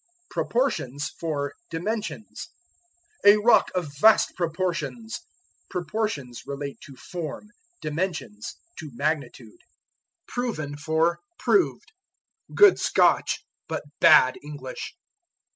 Proportions for Dimensions. "A rock of vast proportions." Proportions relate to form; dimensions to magnitude. Proven for Proved. Good Scotch, but bad English.